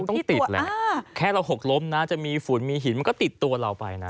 ต้องติดแหละแค่เราหกล้มนะจะมีฝุ่นมีหินมันก็ติดตัวเราไปนะ